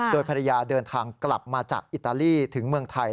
โดยภรรยาเดินทางกลับมาจากอิตาลีถึงเมืองไทย